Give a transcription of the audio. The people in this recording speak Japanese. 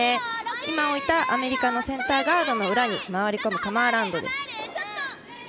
今、置いたアメリカのセンターガードの手前に回り込むカム・アラウンドです。